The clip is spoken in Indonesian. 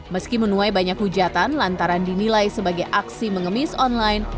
meski menuai banyak hujatan lantaran dinilai sebagai aksi mengemis online